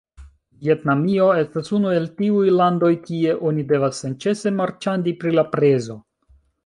Vjetnamio estas unu el tiuj landoj, kie oni devas senĉese marĉandi pri la prezo